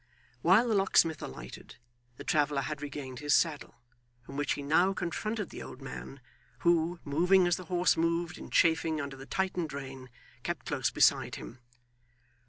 While the locksmith alighted, the traveller had regained his saddle, from which he now confronted the old man, who, moving as the horse moved in chafing under the tightened rein, kept close beside him.